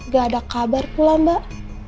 gak ada kabar pula mbak